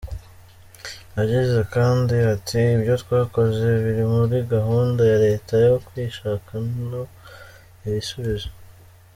Yagize kandi ati,"Ibyo twakoze biri muri gahunda ya Leta yo kwishakano ibisubizo.